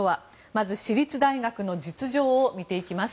まず、私立大学の実情を見ていきます。